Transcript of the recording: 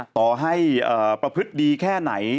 ต่อให้ประพฤติดีแค่ไหน